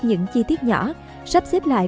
những chi tiết nhỏ sắp xếp lại